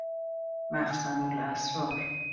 مخزن الاسرار